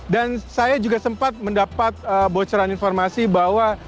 dan saya juga sempat mendapat bocoran informasi bahwa